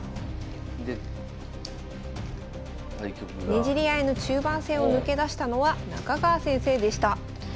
ねじり合いの中盤戦を抜け出したのは中川先生でした。